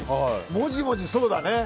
もじもじ、そうだね。